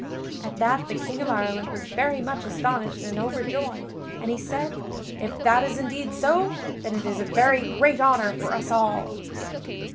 At that the King of Ireland was very much astonished and overjoyed, and he said: "If that is indeed so, then it is a very great honor for us all."